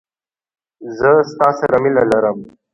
زه ستا سره مینه لرم.